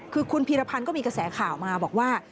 คือคุณพีรพันธ์ก็มีกระแสข่าวมาบอกว่า